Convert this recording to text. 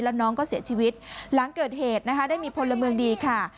แล้วน้องก็เสียชีวิตหลังเกิดเหตุนะคะได้มีพลเมืองดีค่ะ